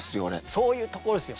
そういうところですよ。